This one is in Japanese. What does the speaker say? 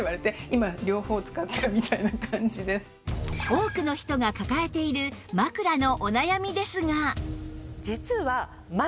多くの人が抱えている枕のお悩みですが